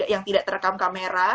yang tidak terekam kamera